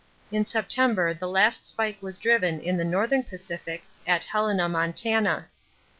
In September the last spike was driven in the Northern Pacific at Helena, Montana.